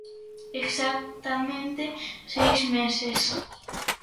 Exactamente seis meses.